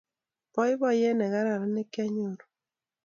Boiboiyet ni negararan nekyanyoru